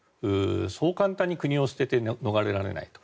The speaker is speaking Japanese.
そう簡単に国を捨てて逃れられないと。